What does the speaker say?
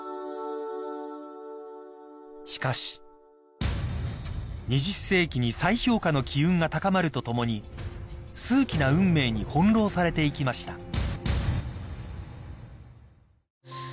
［しかし２０世紀に再評価の機運が高まるとともに数奇な運命に翻弄されていきました］